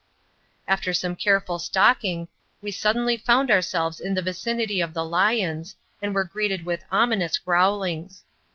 After some careful stalking, we suddenly found ourselves in the vicinity of the lions, and were greeted with ominous growlings.